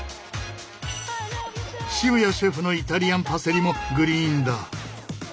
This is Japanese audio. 渋谷シェフのイタリアンパセリもグリーンだ。